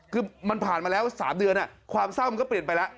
คือมันผ่านมาแล้ว๓เดือนความเศร้ามันก็เปลี่ยนไปแล้ว